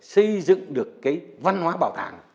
xây dựng được cái văn hóa bảo tàng